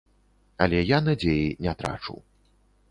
Але я надзеі не трачу.